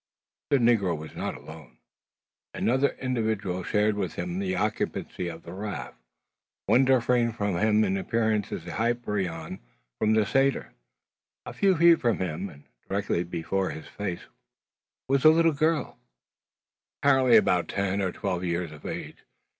The negro was not alone. Another individual shared with him the occupancy of the raft; one differing from him in appearance as Hyperion from the Satyr. A few feet from him, and directly before his face, was a little girl, apparently about ten or twelve years of age.